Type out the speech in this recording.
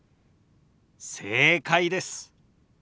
正解です。